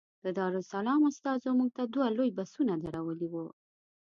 د دارالسلام استازو موږ ته دوه لوی بسونه درولي وو.